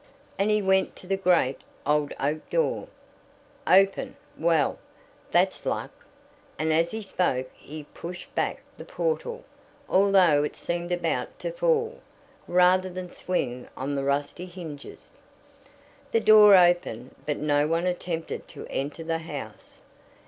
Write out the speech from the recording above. and he went to the great, old oak door. "Open! Well, that's luck," and as he spoke he pushed back the portal, although it seemed about to fall, rather than swing on the rusty hinges. The door opened, but no one attempted to enter the house.